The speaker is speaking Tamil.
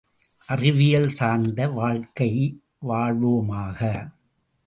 அறிவியல் சார்ந்த வாழ்க்கை வாழ்வோமாக!